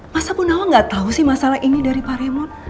masa bu nawang gak tau sih masalah ini dari pak raymond